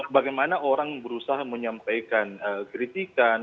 bagaimana orang berusaha menyampaikan kritikan